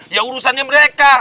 ya urusannya mereka